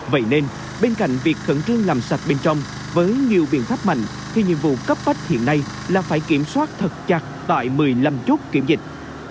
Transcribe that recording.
vậy nên bên cạnh việc khẩn trương làm sạch bên trong với nhiều biện pháp mạnh thì nhiệm vụ cấp bách hiện nay là phải kiểm soát thật chặt tại một mươi năm chốt kiểm dịch